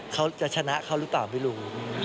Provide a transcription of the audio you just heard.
เขาจะชนะเขาหรือเปล่าไม่รู้